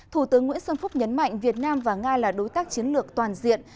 thủ tướng nguyễn xuân phúc nhấn mạnh việt nam và nga là đối tác chiến lược toàn diện